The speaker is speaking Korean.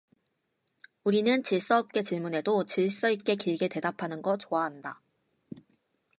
우리는 질서 없게 질문해도 질서 있게 길게 대답하는 거 좋아한다.